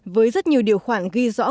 với rất nhiều điều khoản ghi rõ